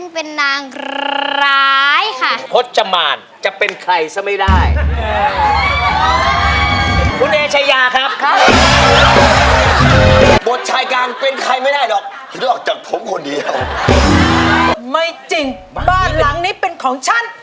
บ้านหลังนี้เป็นของฉัน